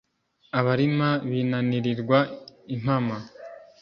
abarima binanirirwa impama